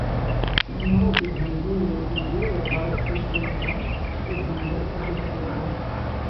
Зноў, без надзеі і веры, варочаўся назад і зноў адыходзіў.